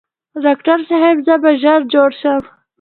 ډاکټر صاحب زه به ژر جوړ شم؟